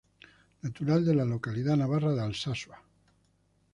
Natural de la localidad navarra de Alsasua.